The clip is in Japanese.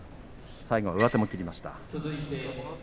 最後は上手も切りました。